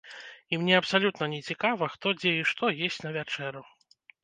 І мне абсалютна не цікава, хто, дзе і што есць на вячэру!